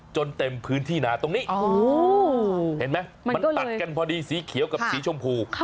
เต็มพื้นที่หนาตรงนี้เห็นไหมมันตัดกันพอดีสีเขียวกับสีชมพู